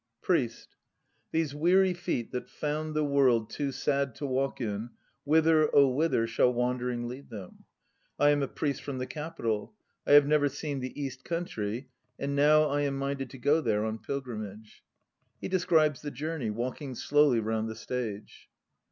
PRIEST. These weary feet that found the World Too sad to walk in, whither Oh whither shall wandering lead them? I am a priest from the Capital. I have never seen the East country, and now I am minded to go there on pilgrimage. (He describes the journey, walking slowly round the stage.)